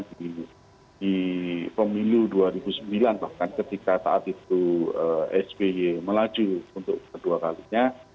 di pemilu dua ribu sembilan bahkan ketika saat itu sby melaju untuk kedua kalinya